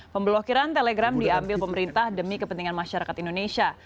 pemblokiran telegram diambil pemerintah demi kepentingan masyarakat indonesia